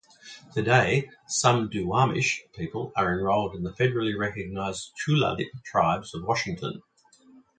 Today, some Duwamish people are enrolled in the federally recognized Tulalip Tribes of Washington.